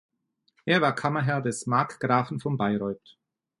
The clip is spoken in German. Er war Kammerherr des Markgrafen von Bayreuth.